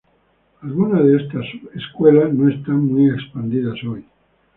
Algunas de estas sub-escuelas no están muy expandidas hoy.